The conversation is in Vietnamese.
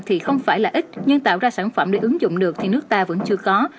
thì không phải là ít nhưng tạo ra sản phẩm để ứng dụng được thì nước ta vẫn chưa có